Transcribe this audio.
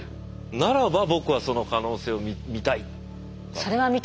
ならば僕はその可能性を見たい。